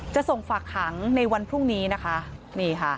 จะส่งฝากขังในวันพรุ่งนี้นะคะนี่ค่ะ